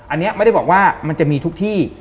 อันนี้ไม่ได้บอกว่ามันจะมีทุกที่